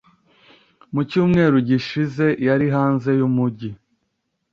Mu cyumweru gishize yari hanze yumujyi.